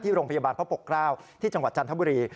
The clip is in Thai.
ที่โรงพยาบาลพระปกราวที่จังหวัดจันทบุรี